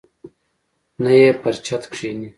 نه یې پر چت کښیني.